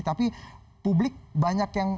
tapi publik banyak yang